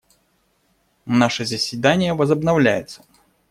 Наше заседание возобновляется.